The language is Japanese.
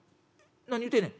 「何言うてんねん。